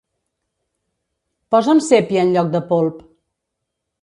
Posa'm sépia en lloc de polp.